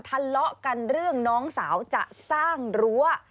ทะเลาะกันเรื่องน้องสาวจะสร้างรั้ว